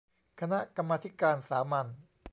คณะกรรมาธิการสามัญ